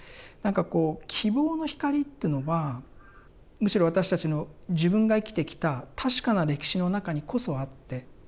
なんかこう希望の光っていうのはむしろ私たちの自分が生きてきた確かな歴史の中にこそあって。